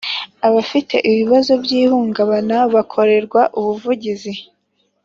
abafite ibibazo by’ihungabana bakorerwa ubuvugizi